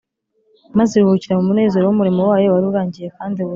” maze iruhukira mu munezero w’umurimo wayo wari urangiye kandi wuzuye